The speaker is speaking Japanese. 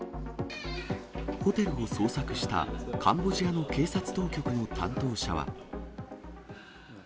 ホテルを捜索した、カンボジアの警察当局の担当者は。